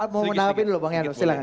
mau menanggapi dulu bang yaro silahkan